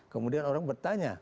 kemudian orang bertanya